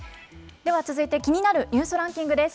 では続いて、気になるニュースランキングです。